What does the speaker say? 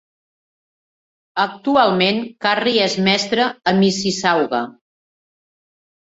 Actualment, Carrie és mestra a Mississauga.